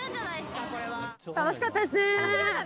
楽しかったですね。